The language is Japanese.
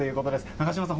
長島さん